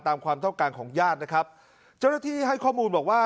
ความต้องการของญาตินะครับเจ้าหน้าที่ให้ข้อมูลบอกว่า